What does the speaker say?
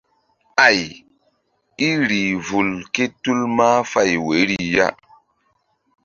Ay í rih vul ké tul mahfay woyri ya.